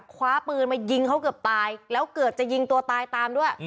คว้าปืนมายิงเขาเกือบตายแล้วเกือบจะยิงตัวตายตามด้วย